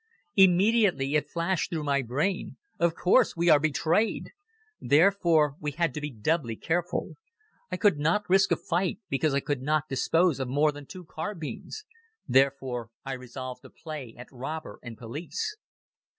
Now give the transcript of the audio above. Immediately it flashed through my brain: "Of course we are betrayed!" Therefore, we had to be doubly careful. I could not risk a fight because I could not dispose of more than two carbines. Therefore, I resolved to play at robber and police.